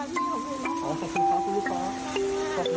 ฉันไม่สบายนะ